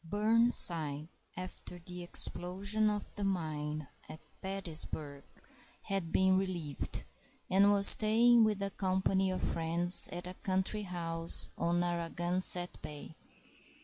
Burnside, after the explosion of the mine at Petersburg, had been relieved, and was staying with a company of friends at a country house on Narragansett Bay.